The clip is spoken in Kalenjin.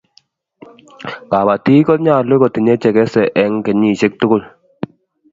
kabatik konyalun kotinye che kese eng kenyishiek tugul